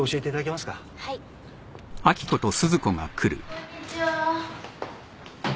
こんにちは。